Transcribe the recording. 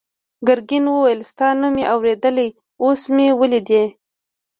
ګرګین وویل ستا نوم مې اورېدلی اوس مې ولیدې.